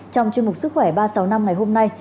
trong chương mục sức khỏe ba trăm sáu mươi năm ngày hôm nay